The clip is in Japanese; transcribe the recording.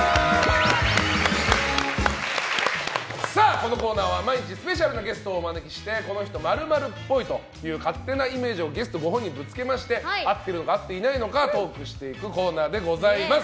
このコーナーは毎日スペシャルなゲストをお招きしてこの人○○っぽいという勝手なイメージをゲストご本人にぶつけまして合っているのか合っていないのかトークしていくコーナーです。